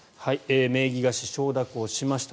名義貸し、承諾をしました。